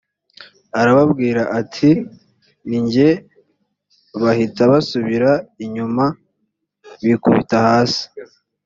arababwira ati ni jye bahita basubira inyuma bikubita hasi